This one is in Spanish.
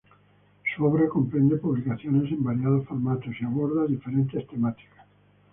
Su obra comprende publicaciones en variados formatos y aborda diferentes temáticas.